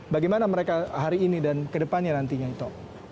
bagaimana mereka hari ini dan ke depannya nantinya itu